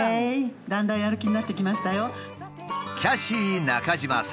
だんだんやる気になってきましたよ。